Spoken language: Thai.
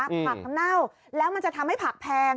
ผักน้ำเน่าแล้วมันจะทำให้ผักแพง